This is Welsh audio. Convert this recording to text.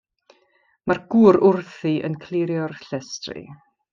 Mae'r gŵr wrthi yn clirio'r llestri.